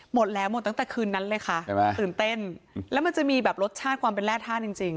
หมดแล้วหมดตั้งแต่คืนนั้นเลยค่ะใช่ไหมตื่นเต้นแล้วมันจะมีแบบรสชาติความเป็นแร่ธาตุจริงจริง